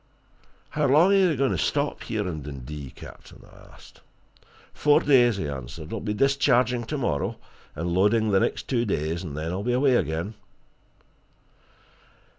"How long are you going to stop here in Dundee, captain?" I asked. "Four days," he answered. "I'll be discharging tomorrow, and loading the next two days, and then I'll be away again."